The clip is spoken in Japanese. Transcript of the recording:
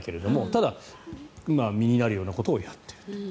ただ、身になるようなことをやっていると。